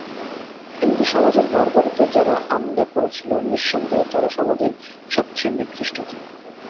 হিন্দু সমাজের ঘরবাড়িতে যারা হামলে পড়েছিল, নিঃসন্দেহে তারা সমাজের সবচেয়ে নিকৃষ্ট জীব।